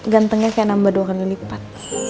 gantengnya kayak nambah dua kali lipat